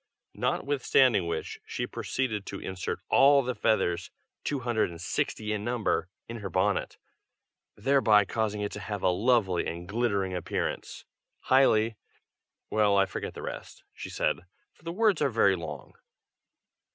Notwithstanding which, she proceeded to insert all the feathers two hundred and sixty in number in her bonnet; thereby causing it to have a lovely and glittering appearance, highly well, I forget the rest," said she, "for the words are very long."